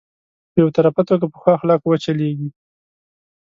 په يو طرفه توګه په ښو اخلاقو وچلېږي.